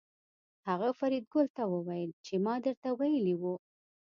هغه فریدګل ته وویل چې ما درته ویلي وو